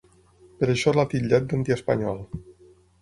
Per això, l’ha titllat ‘d’antiespanyol’.